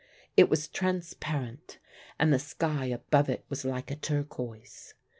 It was transparent, and the sky above it was like a turquoise.